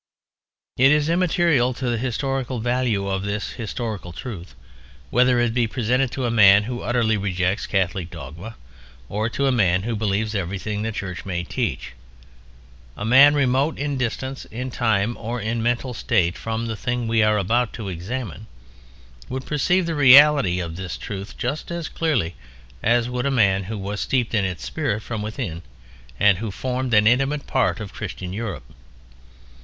It is immaterial to the historical value of this historical truth whether it be presented to a man who utterly rejects Catholic dogma or to a man who believes everything the Church may teach. A man remote in distance, in time, or in mental state from the thing we are about to examine would perceive the reality of this truth just as clearly as would a man who was steeped in its spirit from within and who formed an intimate part of Christian Europe.